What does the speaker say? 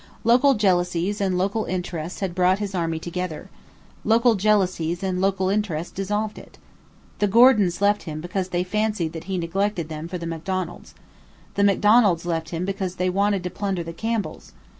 Local jealousies and local interests had brought his army together. Local jealousies and local interests dissolved it. The Gordons left him because they fancied that he neglected them for the Macdonalds. The Macdonalds left him because they wanted to plunder the Campbells.